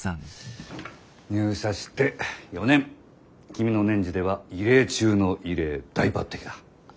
入社して４年君の年次では異例中の異例大抜てきだ。